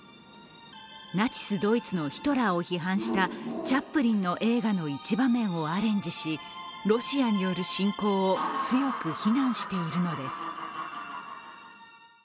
ナチス・ドイツのヒトラーを批判したチャップリンの映画の一場面をアレンジしロシアによる侵攻を強く非難しているのです。